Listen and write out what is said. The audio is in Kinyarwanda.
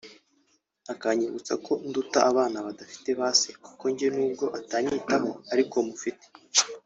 akanyibutsa ko nduta abana badafite ba se kuko njye n’ubwo atanyitaho ariko mufite